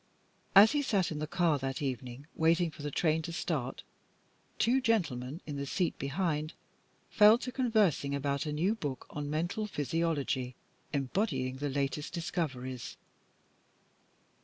As he sat in the car that evening waiting for the train to start, two gentlemen in the seat behind fell to conversing about a new book on mental physiology, embodying the latest discoveries.